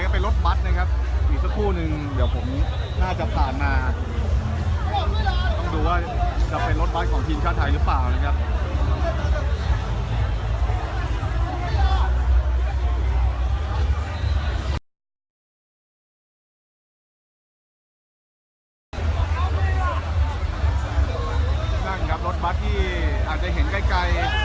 ก็ไปรถบัตรนะครับอีกสักครู่นึงเดี๋ยวผมน่าจะผ่านมา